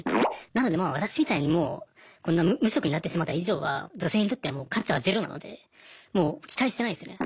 なのでまあ私みたいにもうこんな無職になってしまった以上は女性にとってはもう価値はゼロなのでもう期待してないですよね